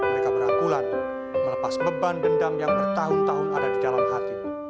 mereka berangkulan melepas beban dendam yang bertahun tahun ada di dalam hati